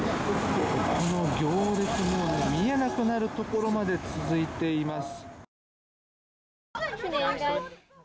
この行列見えなくなるところまで続いています。